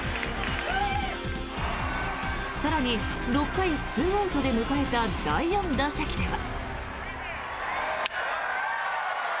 更に６回２アウトで迎えた第４打席では。